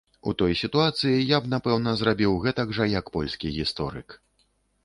У той сітуацыі, я б напэўна зрабіў гэтак жа, як польскі гісторык.